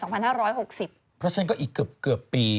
เพราะฉะนั้นก็อีกเกือบปี